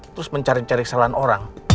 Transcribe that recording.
terus mencari cari kesalahan orang